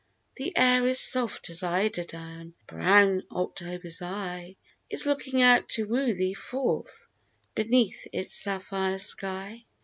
The air is soft as eider down ; And brown October's eye Is looking out to woo thee forth Beneath its sapphire sky.